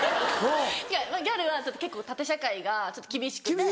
ギャルは結構縦社会が厳しくて。